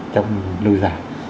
trong lâu dài